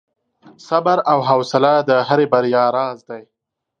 • صبر او حوصله د هرې بریا راز دی.